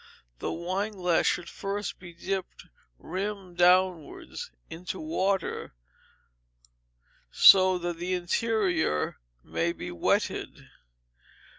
The wineglass should first be dipped, rim downwards, into water, so that the interior may be wetted.